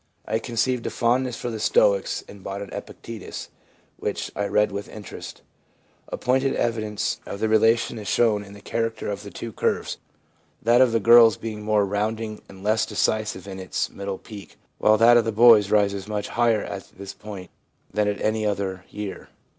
I conceived a fondness for the Stoics and bought an Epictetus, which I read with interest/ A pointed evidence of the relation is shown in the character of the two curves, that of the girls being more rounding and less decisive in its middle peak, while that of the boys rises much higher at this point than at any other year.